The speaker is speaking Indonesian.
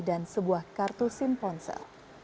dan sebuah kartu simponsel